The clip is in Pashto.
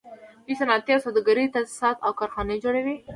دوی صنعتي او سوداګریز تاسیسات او کارخانې جوړوي